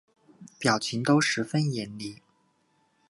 表情都十分严厉